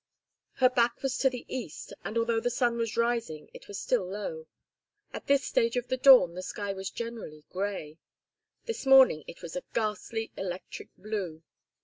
Her back was to the east, and although the sun was rising it was still low; at this stage of the dawn the sky was generally gray. This morning it was a ghastly electric blue.